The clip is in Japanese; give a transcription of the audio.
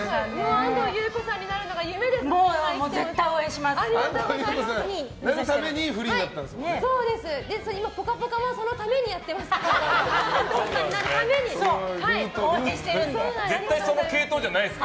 安藤優子さんになるためにそうです。